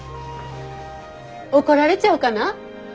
怒られちゃうかな？